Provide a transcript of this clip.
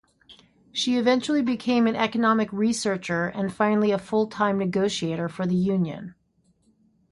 She eventually became an economic researcher and finally a full-time negotiator for the Union.